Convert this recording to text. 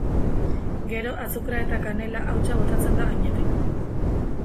Gero azukrea eta kanela hautsa botatzen da gainetik.